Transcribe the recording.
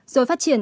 rồi phát triển